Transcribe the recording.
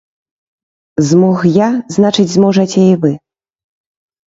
Змог я, значыць, зможаце і вы.